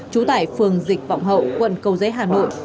chú tại phường dịch vọng hậu quận cầu dế hà nội